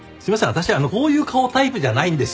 私あのこういう顔タイプじゃないんです。